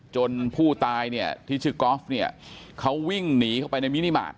จนผู้ตายที่ชื่อกอล์ฟเขาวิ่งหนีเข้าไปในมินิมาตร